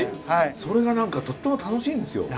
それが何かとっても楽しいんですよ。